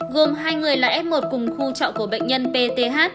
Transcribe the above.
gồm hai người là f một cùng khu trọ của bệnh nhân pth